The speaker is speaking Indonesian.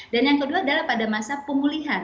dan yang kedua adalah pada masa pemulihan